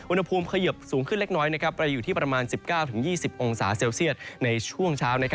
อุณหภูมิเขยิบสูงขึ้นเล็กน้อยไปอยู่ที่ประมาณ๑๙๒๐องศาเซลเซียตในช่วงเช้า